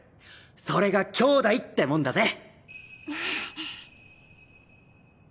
それが兄弟ってもんだぜ。